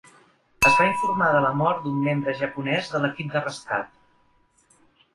Es va informar de la mort d'un membre japonès de l'equip de rescat.